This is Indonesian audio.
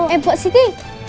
eh mbak siti